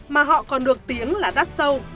mà họ còn được tiếng là đắt sâu